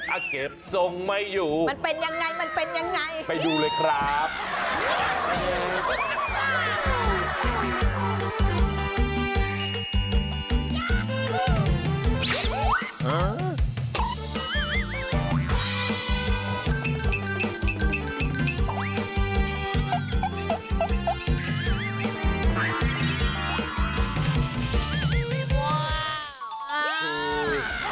อาเก็บส่งไม่อยู่ไปอยู่เลยครับมันเป็นอย่างไรมันเป็นอย่างไร